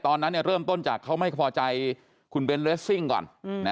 ตอนนั้นเริ่มต้นจากเขาไม่พอใจคุณเบนเรสซิ่งก่อน